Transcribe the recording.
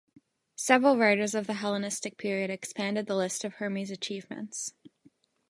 Several writers of the Hellenistic period expanded the list of Hermes's achievements.